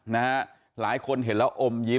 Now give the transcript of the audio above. หลายคนเห็นแล้วอมยิ้ม